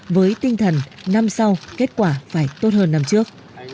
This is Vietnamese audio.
với tinh thần năm sau kết quả phải tốt hơn năm trước